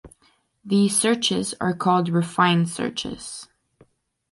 These searches are called refined searches.